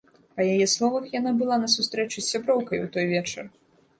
Па яе словах, яна была на сустрэчы з сяброўкай у той вечар.